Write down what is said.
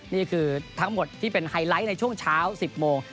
นี่คือทั้งหมดที่เป็นไฮไลท์ในช่วงเช้า๑๐โมง